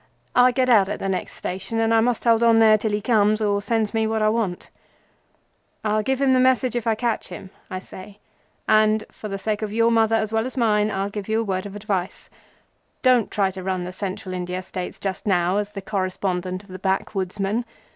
I get out at the next station, and I must hold on there till he comes or sends me what I want." "I'll give the message if I catch him," I said, "and for the sake of your Mother as well as mine I'll give you a word of advice. Don't try to run the Central India States just now as the correspondent of the Backwoodsman.